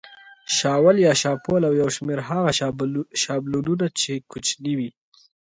شاول یا شافول او یو شمېر هغه شابلونونه چې کوچني وي.